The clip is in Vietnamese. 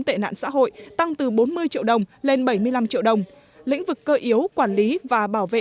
tệ nạn xã hội tăng từ bốn mươi triệu đồng lên bảy mươi năm triệu đồng lĩnh vực cơ yếu quản lý và bảo vệ